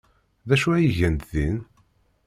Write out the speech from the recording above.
D acu ay gant din?